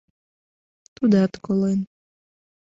— Тудат колен...